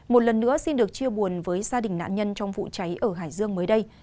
một lần nữa xin được chia buồn với gia đình nạn nhân trong vụ cháy ở hải dương mới đây